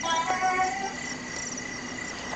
څوک د سياسي قدرت سرچينه ګڼل کېږي؟